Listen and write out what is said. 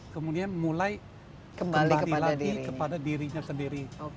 kemudian mulai kembali lagi kepada dirinya sendiri